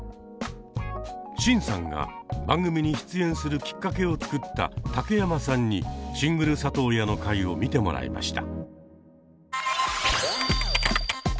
シンさんが番組に出演するきっかけを作った竹山さんに「シングル里親」の回を見てもらいました。